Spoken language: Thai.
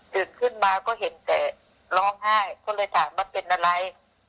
ขึ้นมาก็เห็นแต่ร้องไห้ก็เลยถามว่าเป็นอะไร